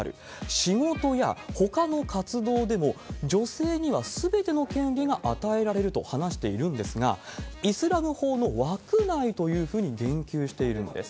仕事やほかの活動でも、女性にはすべての権利が与えられると話しているんですが、イスラム法の枠内というふうに言及しているんです。